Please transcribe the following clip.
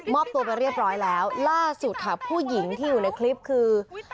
อบตัวไปเรียบร้อยแล้วล่าสุดค่ะผู้หญิงที่อยู่ในคลิปคือ